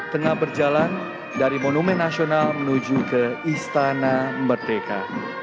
tengah berjalan dari monumen nasional menuju ke istana merdeka